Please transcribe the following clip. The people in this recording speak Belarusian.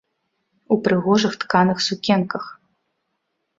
У прыгожых тканых сукенках.